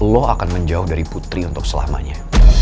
allah akan menjauh dari putri untuk selamanya